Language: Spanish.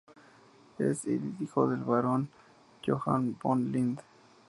Es hijo del Barón Johann von Lind.